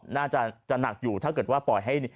น่าจะหนักอยู่ถ้าเกิดว่าปล่อยให้